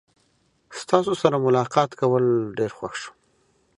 ستاسو سره ملاقات کول ډیر خوښ شو.